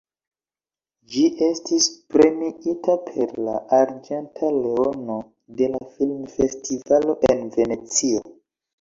Ĝi estis premiita per la »Arĝenta Leono« de la filmfestivalo en Venecio.